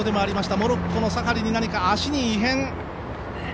モロッコのサハリに何か、足に異変